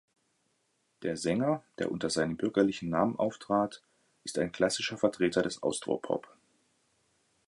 Der Sänger, der unter seinem bürgerlichen Namen auftrat, ist ein klassischer Vertreter des Austropop.